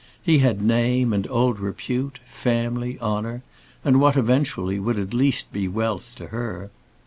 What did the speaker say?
He had name, and old repute, family, honour, and what eventually would at least be wealth to her.